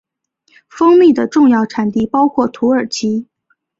蜂蜜的重要产地包括土耳其。